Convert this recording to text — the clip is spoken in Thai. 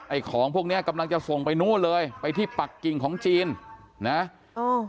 ของพวกเนี้ยกำลังจะส่งไปนู่นเลยไปที่ปักกิ่งของจีนนะโอ้